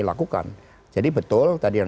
dilakukan jadi betul tadi yang